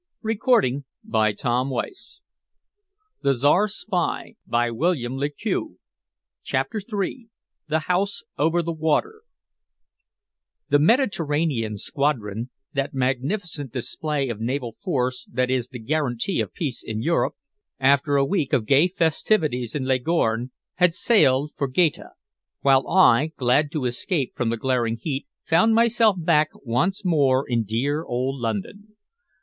I asked, in breathless eagerness. "It concerns a woman." CHAPTER III THE HOUSE "OVER THE WATER" The Mediterranean Squadron, that magnificent display of naval force that is the guarantee of peace in Europe, after a week of gay festivities in Leghorn, had sailed for Gaeta, while I, glad to escape from the glaring heat, found myself back once more in dear old London.